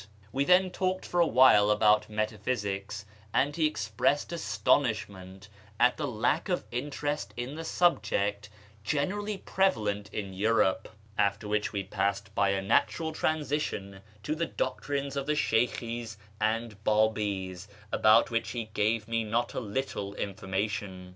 We then talked for a while about metaphysics, and he expressed astonishment at the lack of interest in the subject generally prevalent in Europe ; after which we passed by a natural transition to the doctrines of the Sheykhis and Babi's, about which he gave me not a little information.